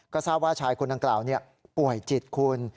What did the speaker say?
ก็ทราบว่าชายคนดังกล่าวป่วยจิตคุณ